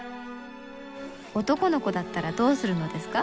「男の子だったらどうするのですか？」。